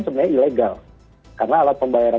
sebenarnya ilegal karena alat pembayaran